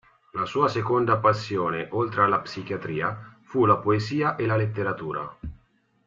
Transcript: La sua seconda passione, oltre alla psichiatria, fu la poesia e la letteratura.